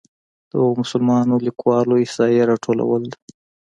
د هغو مسلمانو لیکوالو احصایې راټولول ده.